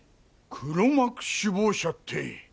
黒幕首謀者って。